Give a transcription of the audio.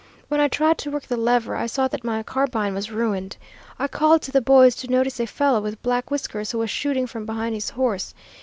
When I tried to work the lever I saw that my carbine was ruined. I called to the boys to notice a fellow with black whiskers who was shooting from behind his horse.